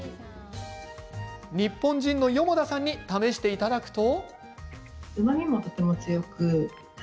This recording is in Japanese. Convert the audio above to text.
日本人の四方田さんに試していただくと。